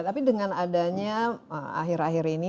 tapi dengan adanya akhir akhir ini